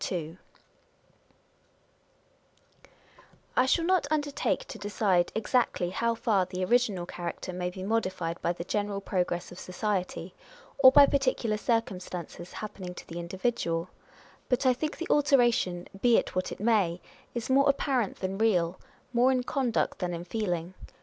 1 I shall not undertake to decide exactly how far the original character may bo modified by the general progress of society, or by particular circumstances hap pening to the individual ; but I think the alteration (be it what it may) is more apparent than real, more in conduct than in feeling.